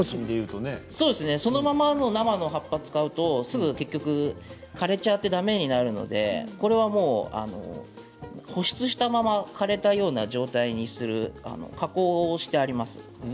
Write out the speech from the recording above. そのままの生の葉っぱを使うと、すぐ結局枯れちゃってだめになるのでこれはもう保湿したまま枯れたような状態にする加工をしてあります。